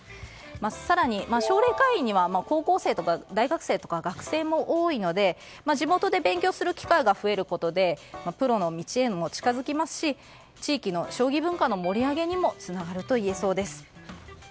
更に、奨励会員には高校生とか大学生とか学生も多いので地元で勉強する機会が増えることでプロの道へも近づきますし地域の将棋文化の盛り上げにもつながるといえそうです。